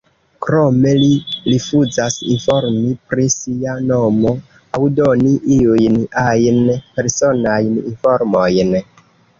Krome, li rifuzas informi pri sia nomo aŭ doni iujn ajn personajn informojn.